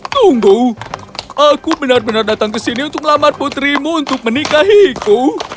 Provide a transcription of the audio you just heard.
tunggu aku benar benar datang ke sini untuk melamar putrimu untuk menikahiku